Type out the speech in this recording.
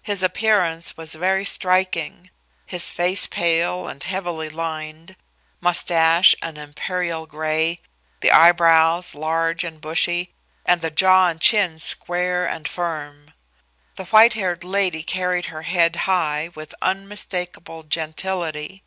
His appearance was very striking; his face pale and heavily lined; moustache and imperial gray; the eyebrows large and bushy, and the jaw and chin square and firm. The white haired lady carried her head high with unmistakable gentility.